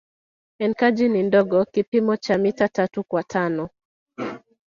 Enkaji ni ndogo kipimo cha mita tatu kwa tano